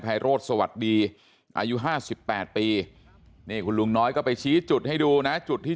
โรธสวัสดีอายุ๕๘ปีนี่คุณลุงน้อยก็ไปชี้จุดให้ดูนะจุดที่